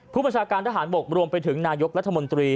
ผู้บัญชาการทหารบกรวมไปถึงนายกรัฐมนตรี